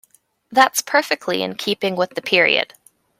That's perfectly in keeping with the period